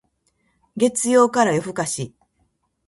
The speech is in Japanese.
月曜から夜更かし